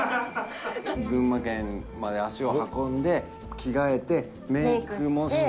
群馬県まで足を運んで、着替えて、メークもして。